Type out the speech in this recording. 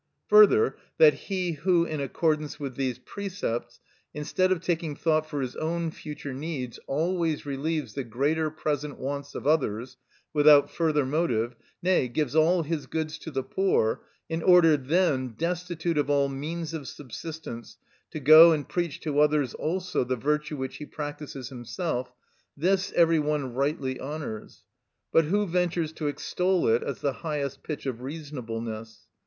Further, that he who, in accordance with these precepts, instead of taking thought for his own future needs, always relieves the greater present wants of others, without further motive, nay, gives all his goods to the poor, in order then, destitute of all means of subsistence, to go and preach to others also the virtue which he practises himself; this every one rightly honours; but who ventures to extol it as the highest pitch of reasonableness?